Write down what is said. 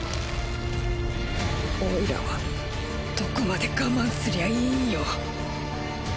オイラはどこまで我慢すりゃいいんよ。